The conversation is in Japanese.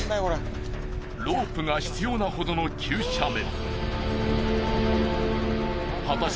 ロープが必要なほどの急斜面。